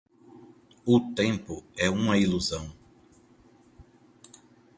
O tempo é uma ilusão.